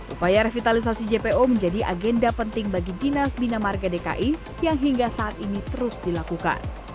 upaya revitalisasi jpo menjadi agenda penting bagi dinas bina marga dki yang hingga saat ini terus dilakukan